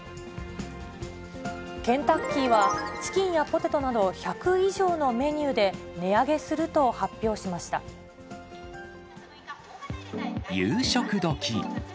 ケンタッキーは、チキンやポテトなど１００以上のメニューで、値上げすると発表し夕食どき。